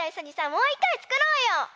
もう１かいつくろうよ！